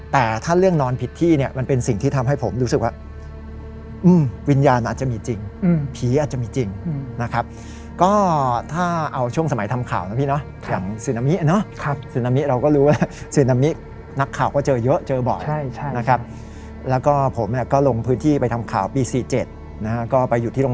แต่ถ้าเรื่องนอนผิดที่เนี่ยมันเป็นสิ่งที่ทำให้ผมรู้สึกว่าวิญญาณอาจจะมีจริงผีอาจจะมีจริงนะครับก็ถ้าเอาช่วงสมัยทำข่าวนะพี่เนาะอย่างซึนามิเนาะซึนามิเราก็รู้แล้วซึนามินักข่าวก็เจอเยอะเจอบ่อยนะครับแล้วก็ผมเนี่ยก็ลงพื้นที่ไปทำข่าวปี๔๗นะฮะก็ไปอยู่ที่โรง